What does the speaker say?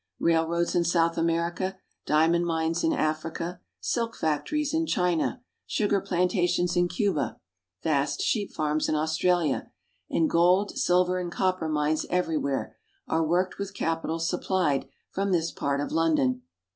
Railroads in South America, diamond mines in Africa, silk factories in China, sugar plantations in Cuba, vast sheep farms in Australia, and gold, silver, and copper mines everywhere, are worked with capital supplied from this part of London.